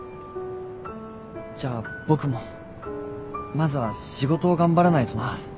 じゃあ僕もまずは仕事を頑張らないとな。